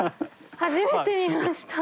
初めて見ました。